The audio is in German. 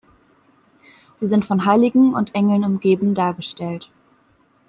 Sie sind von Heiligen und Engeln umgeben dargestellt.